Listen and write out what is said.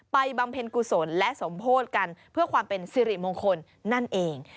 บำเพ็ญกุศลและสมโพธิกันเพื่อความเป็นสิริมงคลนั่นเอง